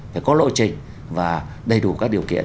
phải có lộ trình và đầy đủ các điều kiện